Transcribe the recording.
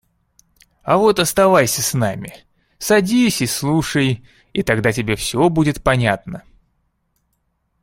А вот оставайся с нами! Садись и слушай, и тогда тебе все будет понятно.